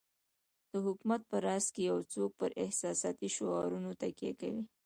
د حکومت په راس کې یو څوک پر احساساتي شعارونو تکیه کوي.